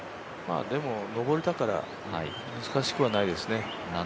でも、上りだから難しくはないですね。